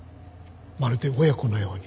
まるで親子のように。